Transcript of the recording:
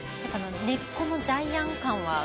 根っこのジャイアン感は。